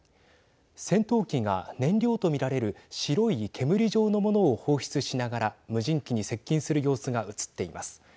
戦闘機が燃料と見られる白い煙状のものを放出しながら無人機に接近する様子が映っています。